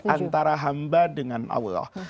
antara hamba dengan allah